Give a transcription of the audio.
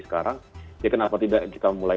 sekarang ya kenapa tidak kita mulai